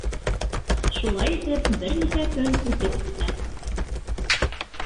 Шулай итеп, бер нисә көн үтеп китә.